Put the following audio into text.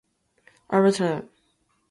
They hold hands and he dies.